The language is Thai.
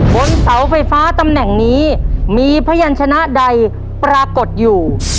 บนเสาไฟฟ้าตำแหน่งนี้มีพยานชนะใดปรากฏอยู่